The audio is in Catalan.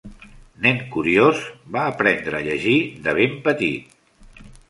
Nen curiós, va aprendre a llegir de ben petit.